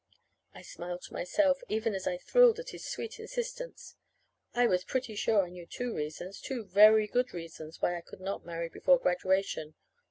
I smiled to myself, even as I thrilled at his sweet insistence. I was pretty sure I knew two reasons two very good reasons why I could not marry before graduation.